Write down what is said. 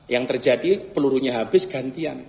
yang terjadi pelurunya habis gantian